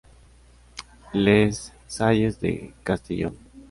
Les Salles-de-Castillon